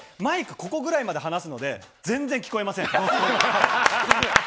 ここぐらいまで離すので全然聞こえません。